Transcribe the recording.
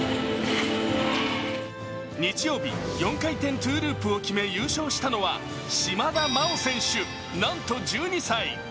日曜日、４回転トウループを決め優勝したのは島田麻央選手、なんと１２歳。